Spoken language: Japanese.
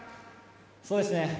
そうですね。